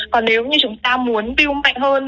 còn nếu như chúng ta muốn piu mạnh hơn